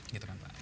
gitu kan pak